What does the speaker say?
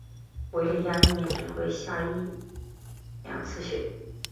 韦里亚一年只会下一两次雪。